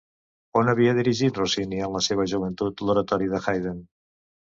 On havia dirigit Rossini en la seva joventut l'oratori de Haydn?